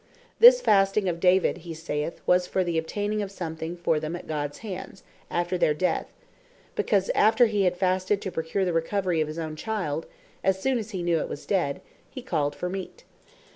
This Fasting of David, he saith, was for the obtaining of something for them at Gods hands, after their death; because after he had Fasted to procure the recovery of his owne child, assoone as he know it was dead, he called for meate.